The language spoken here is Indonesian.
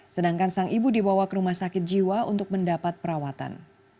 sedangkan sang ibu dibawa ke rumah sakit jiwa untuk mendapat perawatan